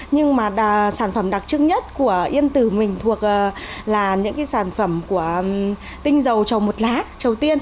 nhưng mà sản phẩm đặc trưng nhất của yên tử mình thuộc là những cái sản phẩm của tinh dầu trầu một lá trầu tiên